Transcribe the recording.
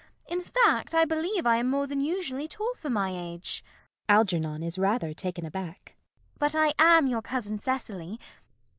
In fact, I believe I am more than usually tall for my age. [Algernon is rather taken aback.] But I am your cousin Cecily.